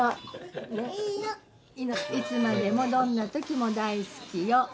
「いつまでもどんな時も大好きよ。